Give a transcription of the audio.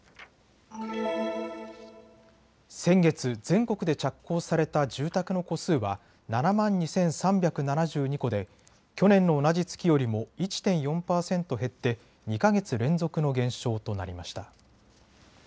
先月、全国で着工された住宅の戸数は７万２３７２戸で去年の同じ月よりも１．４％減って２か月連続の減少となりました。